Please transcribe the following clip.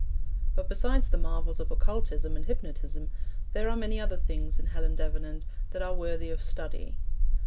But besides the marvels of occultism and hypnotism, there are many other things in Helen Davenant that are worthy of study.